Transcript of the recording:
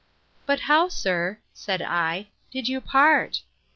But how, sir, said I, did you part?